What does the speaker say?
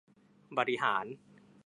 บริหาร